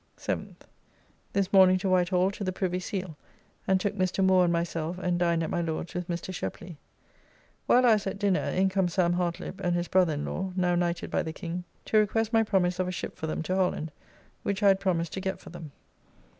7th. This morning to Whitehall to the Privy Seal, and took Mr. Moore and myself and dined at my Lord's with Mr. Sheply. While I was at dinner in come Sam. Hartlibb and his brother in law, now knighted by the King, to request my promise of a ship for them to Holland, which I had promised to get for them.